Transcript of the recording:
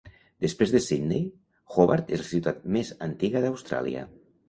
Després de Sydney, Hobart és la ciutat més antiga d'Austràlia.